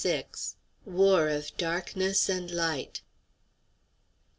WAR OF DARKNESS AND LIGHT.